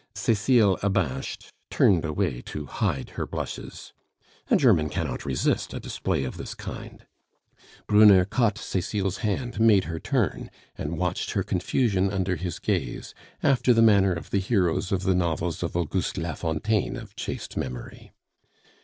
Cecile, abashed, turned away to hide her blushes. A German cannot resist a display of this kind; Brunner caught Cecile's hand, made her turn, and watched her confusion under his gaze, after the manner of the heroes of the novels of Auguste Lafontaine of chaste memory.